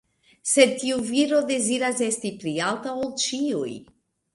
Sed tiu viro deziras esti pli alta ol ĉiuj.